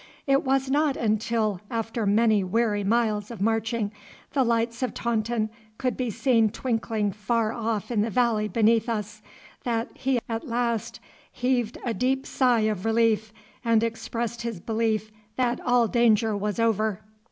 It was not until, after many weary miles of marching, the lights of Taunton could be seen twinkling far off in the valley beneath us that he at last heaved a deep sigh of relief, and expressed his belief that all danger was over.